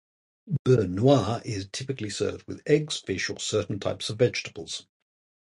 Beurre noir is typically served with eggs, fish, or certain types of vegetables.